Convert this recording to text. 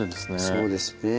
そうですね。